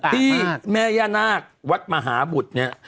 ที่แม่ย่านาควัดมหาบุตรเนี่ย